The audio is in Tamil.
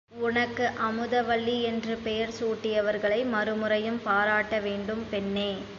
உனக்கு அமுதவல்லி என்று பெயர் சூட்டியவர்களை மறுமுறையும் பாராட்ட வேண்டும் பெண்ணே!